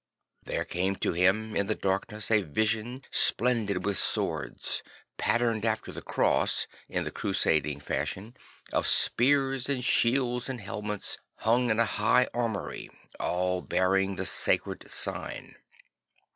There came to him in the darkness a vision splendid with swords, patterned after the cross in the Crusading fashion, of spears and shields and helmets hung in a high armoury, all bearing the sacred sign.